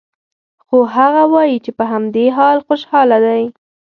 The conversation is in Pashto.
خو هغه وايي چې په همدې حال خوشحال دی